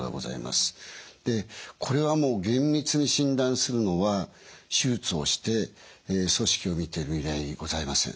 これはもう厳密に診断するのは手術をして組織を見ていく以外にございません。